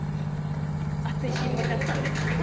熱いシーン盛りだくさんです。